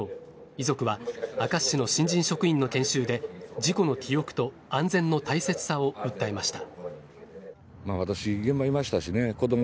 遺族は明石市の新人職員の研修で事故の記憶と安全の大切さを訴えました。